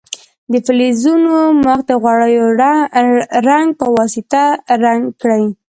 د فلزونو مخ د غوړیو رنګ په واسطه رنګ کړئ.